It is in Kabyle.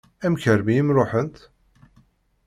Amek armi i m-ṛuḥent?